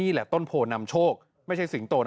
ต่างออกแล้วแมลงมันกินต่างออกแล้วแมลงมันกิน